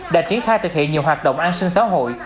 đã triển khai thực hiện nhiều hoạt động an sinh xã hội